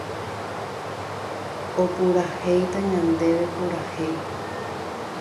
opurahéita ñandéve purahéi